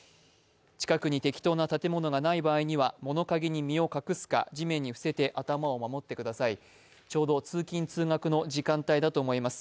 近くに適当な建物がない場合は物陰に身を隠すか地面に伏せて頭を守ってください、ちょうど通勤・通学の時間帯だと思います。